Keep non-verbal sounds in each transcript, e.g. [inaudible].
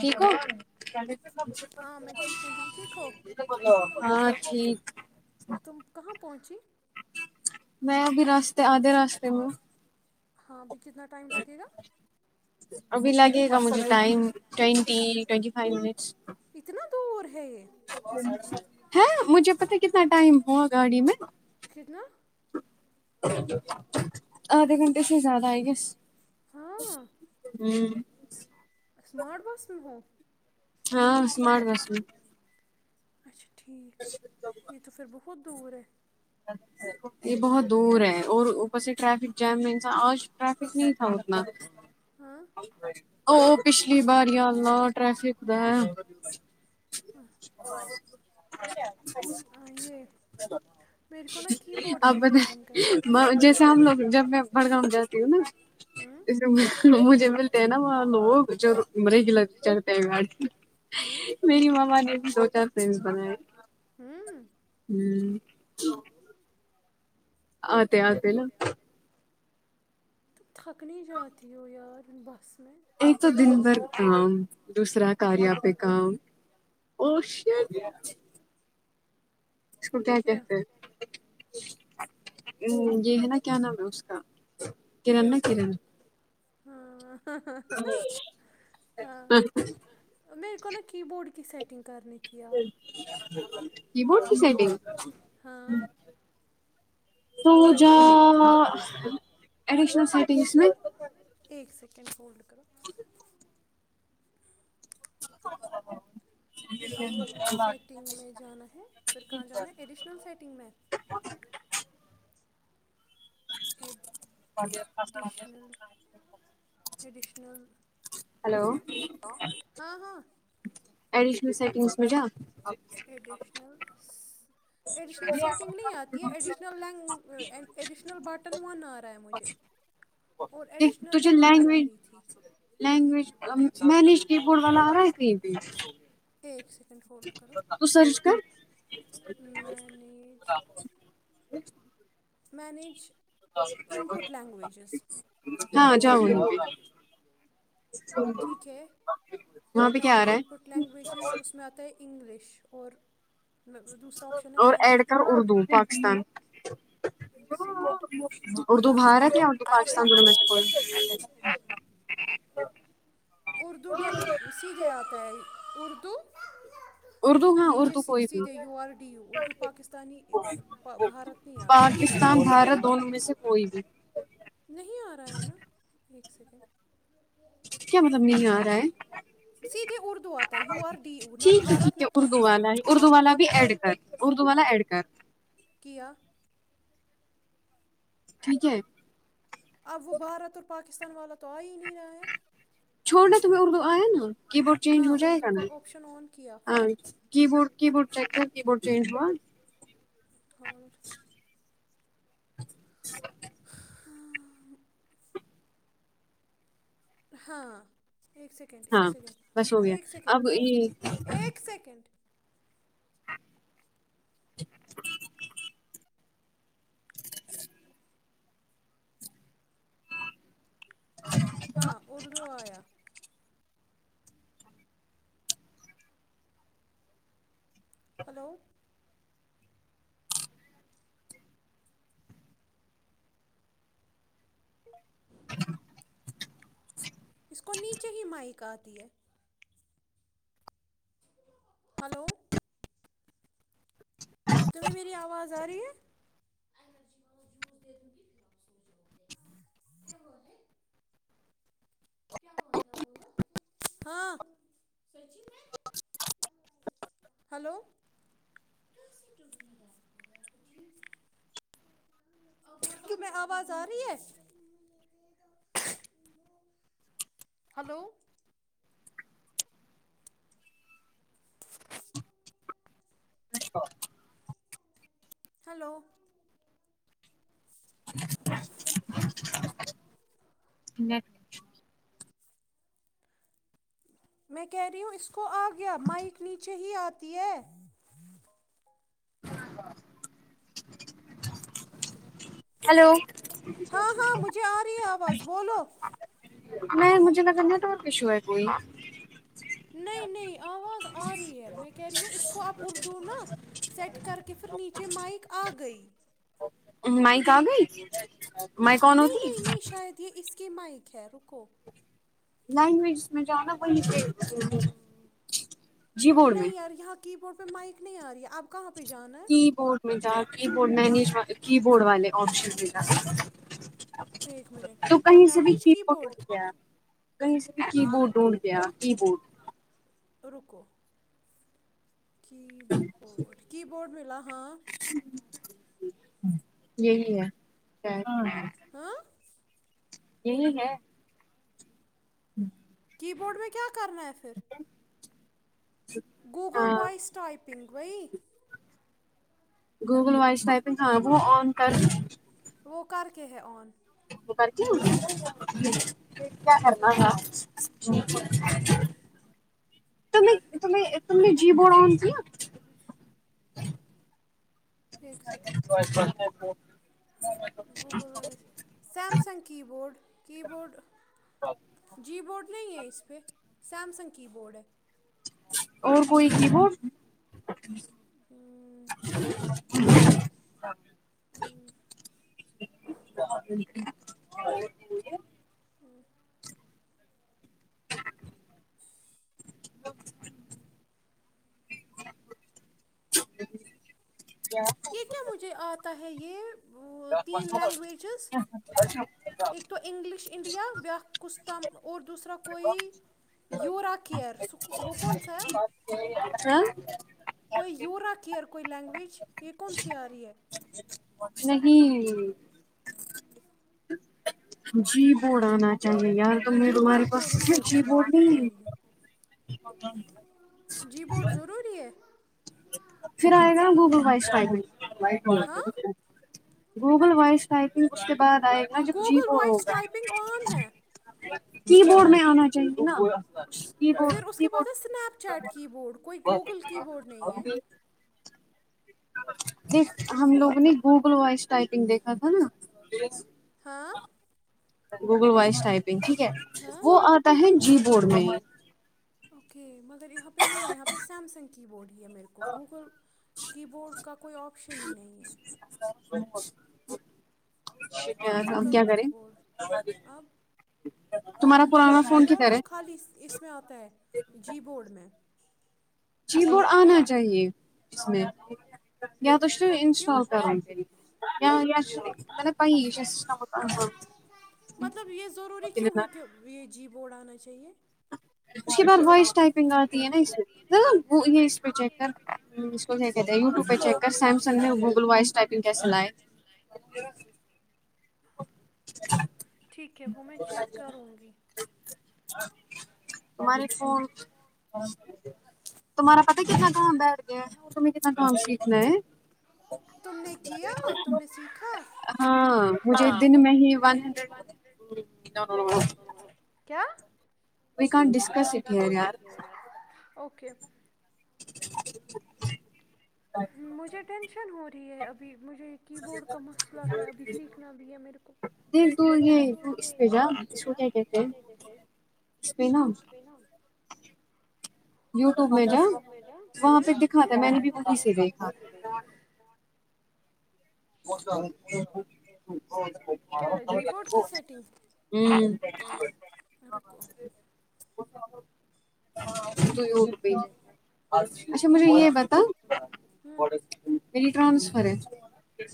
ھیک ہاں ٹھیک میں ابھی راستے آدھے راستے میں ہاں بھی کتنا ٹائم لگے گا اب لگ [unintelligible] ے گا مجھے time twenty twenty five minutes ہ مجھے پتا کتنا ٹائم ہوا گاڑی میں آدھے گھنٹے سے زیادہ آئے گیس اسمارٹ بس میں ہو ہاں سمارٹ بس میں اچھا ٹھیک یہ تو پھر بہت یہ بہت دور ہے اور وہ پاسے ٹریفک جام رہ تھا آج ٹریفک نہیں تھا م [inaudible] ا پچھلی باری واللہ ٹریفک کا ہے [inaudible] آپ بت جیسے ہم لوگ جب میں بڑگاؤں جاتی ہوں نا جسے مجھے ملتے ہیں نا وہ لوگ جو مرے ل چڑھتے ہیں بیڑ میری ماما نے بھی دو چار فرینڈ بنائے ہوں [inaudible] آتے آتے ن تو تھک نہیں جاتی ہو یار بس ایک تو دن بھر کام دوسرا کاریا پہ کام ا ش کتے آ کے آتے ہے ہ [unintelligible] یہ ہے نا کیا نام ہے اس کا کرن ن کرن ہاں ہاں میں کو کی بورڈ کی سیٹنگ کرنی کی بول سیٹنگ سوجا ایڈشنل سیٹی میں سکینڈ فولڈ سیٹنگ میں جانا ہے پھر کہاں جانا ہے ایڈیشنل سیٹنگ میں ایکید ایڈشنل ایڈیشنل [unintelligible] ہلو سیکڈس م جا ایڈیشنل ایڈیشنل سیٹنگ نہیں آتی ہے ایڈشنل ایڈیشنل بٹن ون آ رہا ہے مجھے اور ایڈیشنل لینگویج آ رہی تھی میں نےش کی بورڈ والا رہا ت تھی ایک س سیکینڈ فولڈ کرو میں نےیج [unintelligible] جچ [unintelligible] مینیج [inaudible] ہاں جاؤ ٹھیک ہے مینج ان پٹ لینگویجز اس میں آتا ہے انگلش خش اور اور ایڈ کر اردو پاکستان اردو بھارت یا اردو پاکستان ب ال اردویھے آتا ہے ارد اردو ہاں اردو کوئی بھی پاکستان بھارت دونوں میں سے کوئی بھی نہیں آ رہا ہے نا ایک سیکنڈ کیا مطلب نہیں آ رہا ہے سیدھے اردو آتا ہے یو آر ڈی او نہ بھارت نہ پاکستان اردو ما ایڈ کر کیایا ٹھیک ہے اب وہ بھارت اور پاکستان والا تو آ ہی نہیں رہا ہے چھوڑنا تمہیں اردو آیا نا کی بورڈ چینج ہو جائے گا نا ہ کی بورڈ کی بورڈ ٹیکٹر کی بورڈ ٹینج ہوا اور ہاں ایک سیکنڈ ایک سیکنڈ ایک سیکنڈ ایک سیکنڈ [inaudible] ہاں اردو آیا ہلو [inaudible] اس کو نیچے ہی مائک آتی ہے ہلو تہیں میری آواز آ رہی ہے ہاں ہلو کیوں م آواز آ رہی ہے ہلو ج ہلو ل میں کہہ رہی ہوں اس کو آ گیا مائک نیچے ہی آتی ہے ج ہلو ہاں ہاں مجھے آ رہی ہے آواز بولو نہیں مجھے لگن نہیں تھا اور پشو ہے کوئی نہیں نہیں آواز آ رہی ہے میں کہہ رہی ہوں اس کو اب اردو نا سیٹ کر کے پھر نیچے مائک آ گئی مائک آ گئی میں کون ہوتی [unintelligible] کی مائک ہے رکو [unintelligible] لینگویج میں جو ہے نا وہ [unintelligible] جی بڈ میں [unintelligible] کی بورڈ پہ مائک نہیں آ رہی ہے آپ کہاں پہ [unintelligible] کی بورڈ میں جا [unintelligible] کی بورڈ کی بورڈ والے آپشن ما [unintelligible] تو کہیں سے بھی ھیک ہو گئی کیا [unintelligible] ک [unintelligible] کی بورڈ ڈونڈ گیا کی بورڈ [unintelligible] رکو [unintelligible] کی بڈ کی بورڈ ملا [unintelligible] یہی ہے [unintelligible] ہاں [unintelligible] یہ ہے [unintelligible] ہوں [unintelligible] بورڈ میں کیا [unintelligible] کرنا ہے پھر [unintelligible] Google voice type [unintelligible] پنگوئی [unintelligible] Google voice typing ہاں وہ آن کر [unintelligible] وہ کر کے ہے آن [unintelligible] کیا کرنا ہ ج [unintelligible] تم تم [unintelligible] [unintelligible] [unintelligible] [unintelligible] Google Samsung keyboard keyboard G board نہیں ہے اس پہ سیمسنگ کی بورڈ اور کوئی کی وہ [inaudible] [unintelligible] [unintelligible] [inaudible] [unintelligible] [inaudible] [inaudible] [unintelligible] [unintelligible] ایک تو انگلش انڈیا بیا کتا اور دوسرا کوئی یورا کیئر وہ کون سا ہے کوئی یورا کیئر کوئی لینگویج یہ کون سی آ رہ ہے نہیں جی بڑ آانا چاہیے یار ت میں تمہارے پاس ا چی ب رہ پھر آئے گا نا گوگل فائیش پائ گوگل وائس آنک بد آئے گا نا جب جی وہ ہوگا کی بورڈ میں آنا چاہیے نا پھر اس کے بعد ہے اسنیپ چیٹ کی بورڈ کوئی گوگل کی بورڈ نہیں اور بھی بھی ہم لوگوں نے گوگل وائز ٹائپنگ دیکھا تھا نا گوگل وائس ٹائپ ٹھیک ہے وہ آتا ہے جی بول رہے ہیں اوکے مگر یہاں پہ نہیں ہے یہاں پہ سیمسنگ کی بورٹ ہے میرے کو گوگل کی بورڈ [unintelligible] کا کوئی آپشن ہی نہیں ہے [inaudible] فزیکل کی بورڈ اب آ یو شیور وہ خالی اس میں آتا ہے جی بورڈ میں آنا چاہیے اس میں تو جو انسٹال کر کےل مط نےب پی ووڈ آنا چاہیے اس کے بعد وائس ٹائپنگ آتی ہے نا اس وہ یہ اس پہ چیک کر اس کو کیا کہتے ہیں یوٹیوب پہ چیک کر سیمسنگ گوگل وائس ٹائپنگ کیسے لائے [inaudible] تماری فون تمہارا پ کتنا کام بیٹھ گیا ہے اور تمیں کتنا کام سیکھنا ہے تم نے کیا تم نے سیکھا ہاں دن میں ہی ون ہنڈریڈ کیا کوئی کان ڈسکس اٹ یار اوکے [inaudible] مجھے ٹینشن ہو ہے ابھی مجھے ایک کی بورڈ کا مسئلہ ہے ابھی سیکھنا بھی ہے مے کو یوٹیوب میں جا وہاں پہ دکھا تھا میں نے بھی میں نے بھی وہے دا ہ [unintelligible] تو ہی اٹ بھی آ اچھا مجھے یہ بتا الٹرانکس وال جس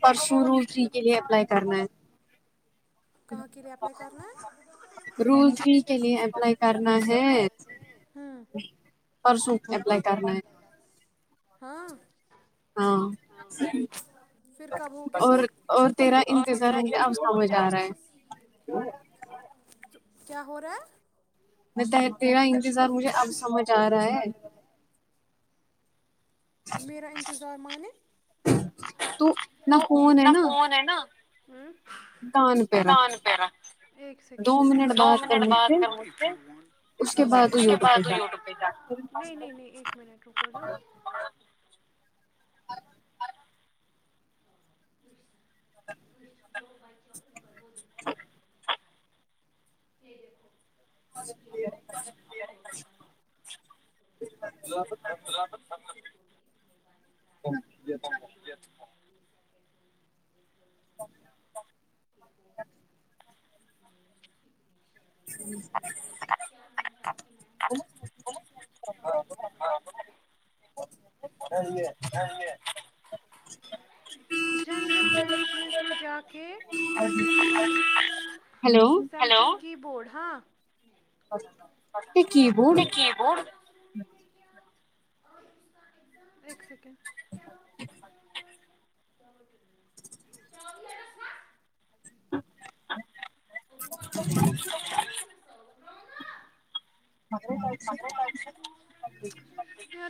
[inaudible] پرسوں ر فری کے لیے اپلائی کرنا کہاں کے لیے اپپلائی کرنا ہے ہوں ہاں ہاں اور اور تیرا انتظار مجھے ا کو ہو جا رہا ہے [inaudible] [unintelligible] [unintelligible] [unintelligible] میرا انتظار مانیے [unintelligible] [unintelligible] [unintelligible] [inaudible] [inaudible] ا [inaudible] [unintelligible] [inaudible] [inaudible] [inaudible] [inaudible] [inaudible] [inaudible] [unintelligible] [unintelligible] [unintelligible] [inaudible] [inaudible] [inaudible] [unintelligible]